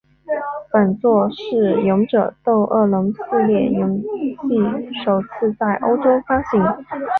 本作是勇者斗恶龙系列游戏首次在欧洲发行。